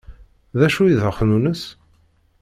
D acu i d axnunnes?